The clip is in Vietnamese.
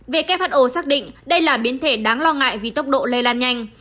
who xác định đây là biến thể đáng lo ngại vì tốc độ lây lan nhanh